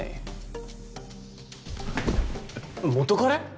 元カレ？